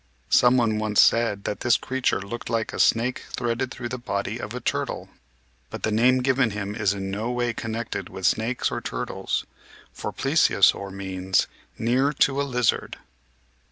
Some one once said that this creature looked like a snake threaded through the body of a turtle. But the name given him is in no way connected with snakes or turtles, for Plesiosaur means "near to a lizard."